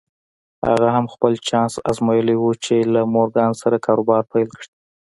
هغه هم خپل چانس ازمايلی و چې له مورګان سره کاروبار پيل کړي.